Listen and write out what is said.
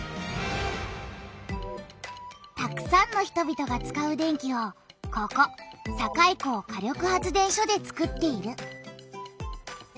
たくさんの人々が使う電気をここ堺港火力発電所でつくっている。